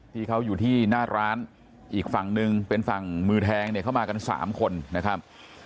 ที่เขาอยู่ที่หน้าร้านอีกฝั่งนึงเป็นฝั่งมือแทงเนี่ยเข้ามากัน๓คนนะครับ